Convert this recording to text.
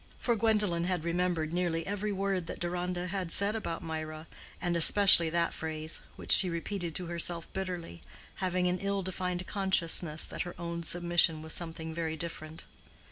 For Gwendolen had remembered nearly every word that Deronda had said about Mirah, and especially that phrase, which she repeated to herself bitterly, having an ill defined consciousness that her own submission was something very different.